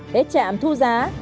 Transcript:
hết trạm thu giá